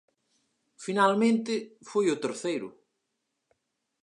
Finalmente foi o terceiro.